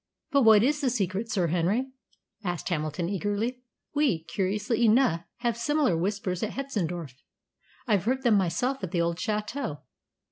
"But what is the secret, Sir Henry?" asked Hamilton eagerly. "We, curiously enough, have similar Whispers at Hetzendorf. I've heard them myself at the old château."